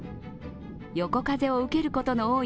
横風を受けることが多い